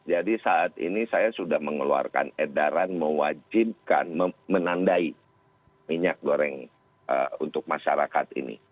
jadi saat ini saya sudah mengeluarkan edaran mewajibkan menandai minyak goreng untuk masyarakat ini